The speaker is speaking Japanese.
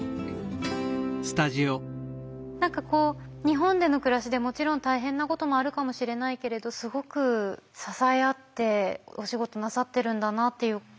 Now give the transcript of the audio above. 何かこう日本での暮らしでもちろん大変なこともあるかもしれないけれどすごく支え合ってお仕事なさってるんだなっていう。